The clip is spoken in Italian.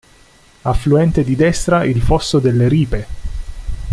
Affluente di destra il fosso delle Ripe.